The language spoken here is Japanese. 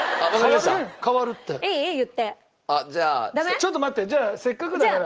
ちょっと待ってじゃあせっかくだから。